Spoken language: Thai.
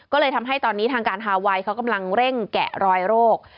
ก็เลยทำให้ตอนนี้ทางการฮาไวเขากำลังเร่งแกะรอยโรค